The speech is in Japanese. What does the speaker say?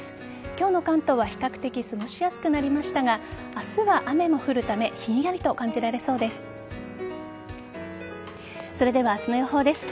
今日の関東は比較的過ごしやすくなりましたが明日は雨も降るためひんやりと感じられそうです。